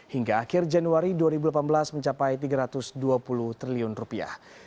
hingga akhir januari dua ribu delapan belas mencapai tiga ratus dua puluh triliun rupiah